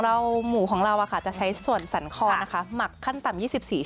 เราจะใช้ส่วนสันคอมักขั้นต่ำ๒๔ชั่วโมง